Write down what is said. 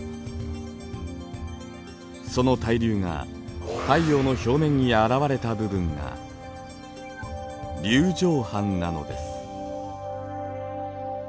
その対流が太陽の表面にあらわれた部分が粒状斑なのです。